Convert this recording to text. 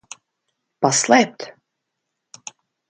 Paslēpt?